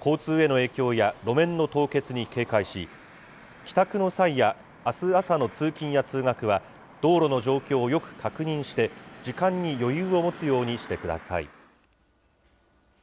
交通への影響や路面の凍結に警戒し、帰宅の際や、あす朝の通勤や通学は道路の状況をよく確認して、時間に余裕を持つようにしてください。